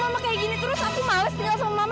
mama kayak gini terus aku males tinggal sama mama